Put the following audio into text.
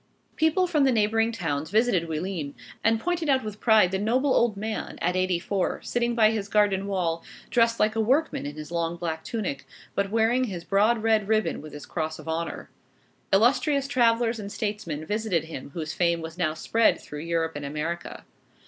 People from the neighboring towns visited Oullins, and pointed out with pride the noble old man at eighty four, sitting by his garden wall, dressed like a workman in his long black tunic, but wearing his broad red ribbon with his cross of honor. Illustrious travellers and statesmen visited him whose fame was now spread through Europe and America.